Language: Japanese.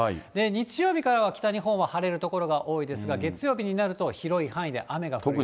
日曜日からは北日本は晴れる所が多いですが、月曜日になると広い範囲で雨が降ります。